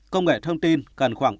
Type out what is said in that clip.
công nghệ thông tin cần khoảng ba